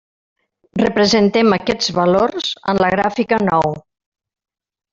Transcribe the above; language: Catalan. Representem aquests valors en la gràfica nou.